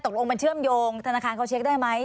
ตกลงมันเชื่อมโยงธนาคารเขาเช็คได้ไหม